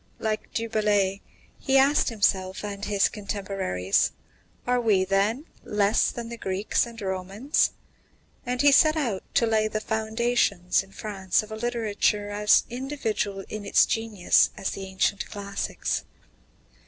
Like du Bellay, he asked himself and his contemporaries: "Are we, then, less than the Greeks and Romans?" And he set out to lay the foundations in France of a literature as individual in its genius as the ancient classics.